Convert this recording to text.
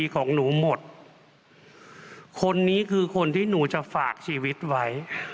ขอฝากชีวิตไว้